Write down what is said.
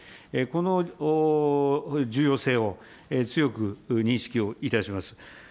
この重要性を強く認識をいたします。